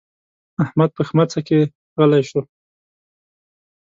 احمد په ښمڅه کې غلی شو.